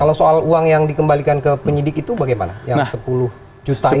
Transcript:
kalau soal uang yang dikembalikan ke penyidik itu bagaimana